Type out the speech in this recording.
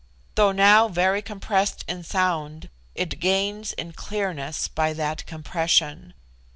Though now very compressed in sound, it gains in clearness by that compression.